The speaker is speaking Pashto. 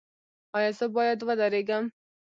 ایا زه باید ودریږم؟